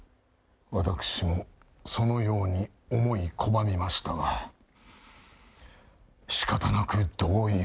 私もそのように思い拒みましたが、しかたなく同意を。